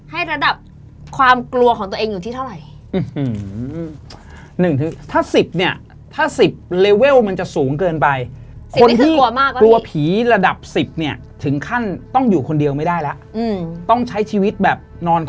ระดับความกลัวของตัวเองอยู่ที่เท่าไหร่